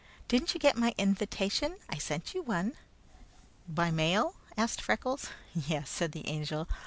Didn't you get my invitation? I sent you one." "By mail?" asked Freckles. "Yes," said the Angel.